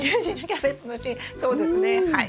そうですねはい。